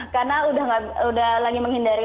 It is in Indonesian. karena udah lagi menghindari